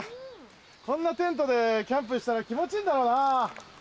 こんなテントでキャンプしたら気持ちいいんだろうなぁ。